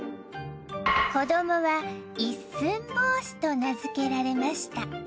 子どもは一寸法師と名づけられました。